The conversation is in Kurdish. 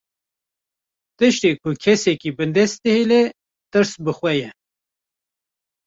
Tiştê ku kesekî bindest dihêle, tirs bi xwe ye